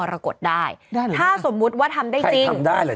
ได้เหรอคะใครทำได้เหรอในร่วมนี้ค่ะถ้าสมมติว่าทำได้จริง